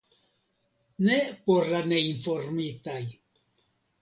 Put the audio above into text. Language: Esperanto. Ne por la neinformitaj.